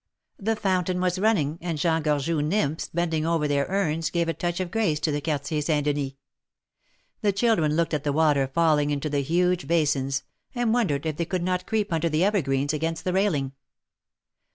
The fountain was running, and Jean Gorgeous nymphs bending over their urns, gave a touch of grace to the Quartier Saint Denis. The children looked at the water falling into the huge basins, and wondered if they could not creep under the evergreens against the railing.